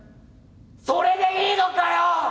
それでいいのかよ！